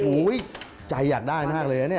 อ๋อหูยใจอยากได้มากเลยนี่